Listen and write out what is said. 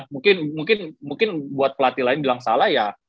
mungkin mungkin mungkin buat pelatih lain bilang salah ya